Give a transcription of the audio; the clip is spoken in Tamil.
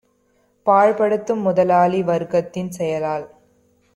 பாழ்படுத்தும் முதலாளி வர்க்கத்தின் செயலால்